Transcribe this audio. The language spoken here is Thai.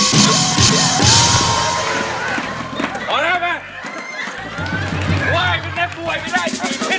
หน่อยนี่มีอีกหน่อย